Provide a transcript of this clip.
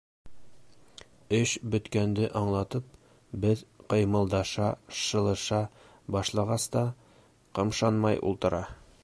Эш бөткәнде аңлатып, беҙ ҡыймылдаша, шылыша башлағас та, ҡымшанмай ултыра.